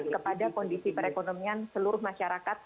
kepada kondisi perekonomian seluruh masyarakat